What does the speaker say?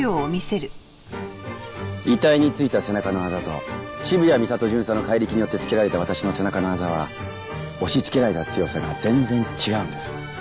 遺体に付いた背中のあざと渋谷美里巡査の怪力によって付けられた私の背中のあざは押し付けられた強さが全然違うんです。